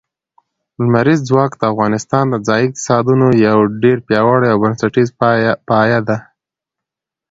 لمریز ځواک د افغانستان د ځایي اقتصادونو یو ډېر پیاوړی او بنسټیز پایایه دی.